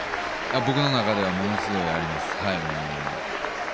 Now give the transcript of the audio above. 僕の中ではものすごいあります。